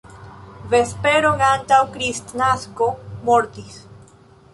Vesperon antaŭ Kristnasko mortis.